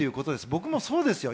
僕もそうですよ。